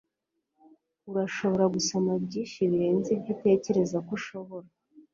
Urashobora gusoma byinshi birenze ibyo utekereza ko ushobora.